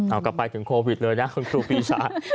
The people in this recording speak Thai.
เอากลับไปถึงโควิดเลยนะคุณครูปีชา